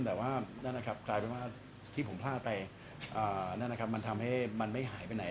แต่ว่านั่นนะครับกลายเป็นว่าที่ผมพลาดไปนั่นนะครับมันทำให้มันไม่หายไปไหน